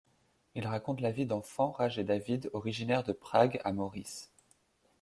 Il raconte la vie d'enfants, Raj et David, originaires de Prague, à Maurice.